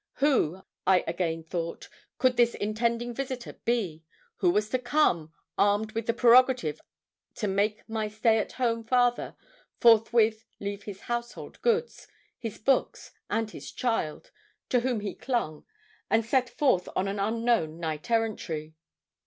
Who, I again thought, could this intending visitor be, who was to come, armed with the prerogative to make my stay at home father forthwith leave his household goods his books and his child to whom he clung, and set forth on an unknown knight errantry?